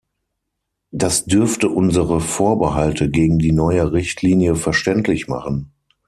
Das dürfte unsere Vorbehalte gegen die neue Richtlinie verständlich machen.